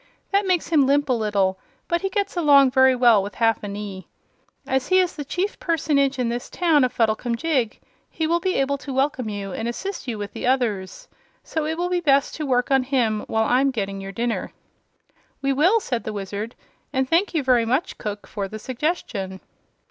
That makes him limp a little, but he gets along very well with half a knee. As he is the chief personage in this town of Fuddlecumjig, he will be able to welcome you and assist you with the others. So it will be best to work on him while I'm getting your dinner." "We will," said the Wizard; "and thank you very much, Cook, for the suggestion."